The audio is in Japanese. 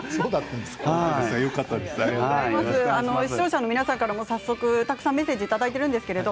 視聴者の皆さんからもたくさんメッセージをいただいています。